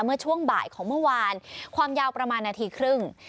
เมื่อช่วงบ่ายของเมื่อวานความยาวประมาณนาทีครึ่ง